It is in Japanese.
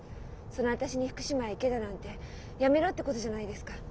その私に「福島へ行け」だなんて「辞めろ」ってことじゃないですか。